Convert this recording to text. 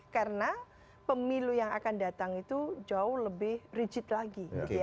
karena pemilu yang akan datang itu jauh lebih rigid lagi